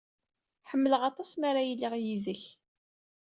Ḥemmleɣ aṭas mi ara iliɣ yid-k.